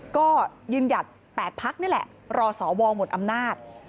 ๒ก็ยืนใหญ่๗พักนี้แหละรอสอวหมดอำนาจ